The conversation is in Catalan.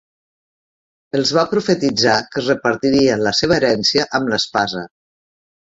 Els va profetitzar que es repartirien la seva herència amb l'espasa.